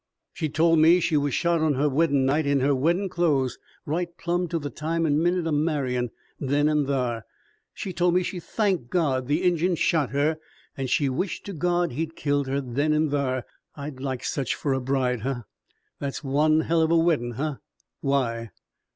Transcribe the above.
"She told me she was shot on her weddin' night, in her weddin' clothes right plum to the time an' minute o' marryin, then an' thar. She told me she thanked God the Injun shot her, an' she wished to God he'd killed her then an' thar. I'd like such fer a bride, huh? That's one hell of a weddin', huh? Why?"